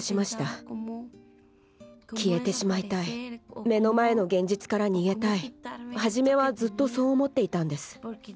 消えてしまいたい目の前の現実から逃げたい初めはずっとそう思っていたんです。